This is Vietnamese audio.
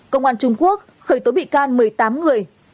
công an trung quốc khởi tố bị can một mươi tám người